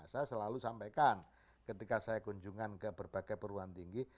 saya selalu sampaikan ketika saya kunjungan ke berbagai perguruan tinggi